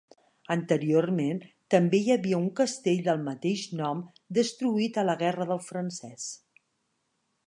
Anteriorment també hi havia un castell del mateix nom, destruït a la Guerra del Francés.